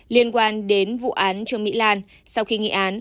liên quan đến vụ án trương mỹ lan sau khi nghị án